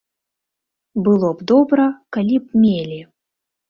Было б добра, калі б мелі.